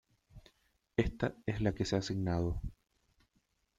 Esta es la que se ha asignado.